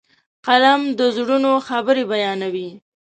قلم د زړونو خبرې بیانوي.